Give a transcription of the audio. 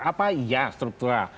apa iya struktural